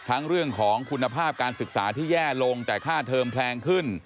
เรื่องของคุณภาพการศึกษาที่แย่ลงแต่ค่าเทอมแพงขึ้น